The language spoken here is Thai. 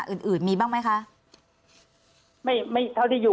คุณเอกวีสนิทกับเจ้าแม็กซ์แค่ไหนคะ